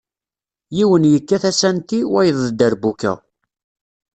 Yiwen yekkat asanti wayeḍ d dderbuka.